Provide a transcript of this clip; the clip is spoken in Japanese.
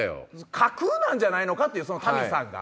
架空なんじゃないのか？という多味さんが。